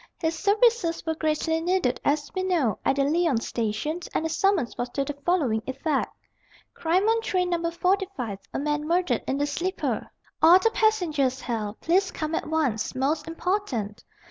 His services were greatly needed, as we know, at the Lyons station and the summons was to the following effect: "Crime on train No. 45. A man murdered in the sleeper. All the passengers held. Please come at once. Most important."